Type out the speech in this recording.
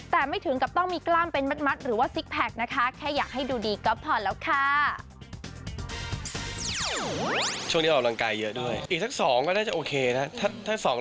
แต่ไม่ถึงกับต้องมีกล้ามเป็นมัดหรือว่าซิกแพคนะคะแค่อยากให้ดูดีก็พอแล้วค่ะ